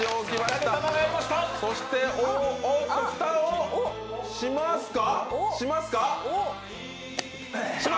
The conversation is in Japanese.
そしておっと、蓋をしますか？